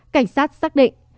cảnh sát xác định